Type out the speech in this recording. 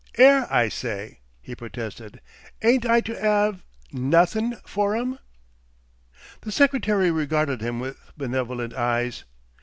"'Ere, I say!" he protested. "Ain't I to 'ave nothin' for 'em?" The secretary regarded him with benevolent eyes.